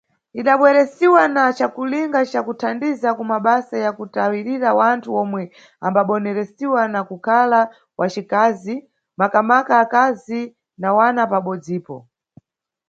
Idabweresiwa na cakulinga ca kuthandiza ku mabasa ya kutayirira wanthu omwe ambaboneresiwa na kukhala wacikazi, makamaka akazi na wana pabodzipo.